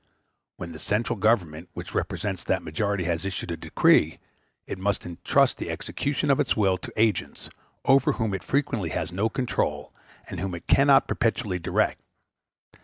When the central Government which represents that majority has issued a decree, it must entrust the execution of its will to agents, over whom it frequently has no control, and whom it cannot perpetually direct.